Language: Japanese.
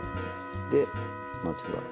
でまずは。